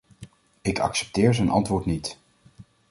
Ik accepteer zijn antwoord niet.